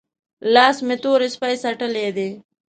لاس مې تور سپۍ څټلی دی؟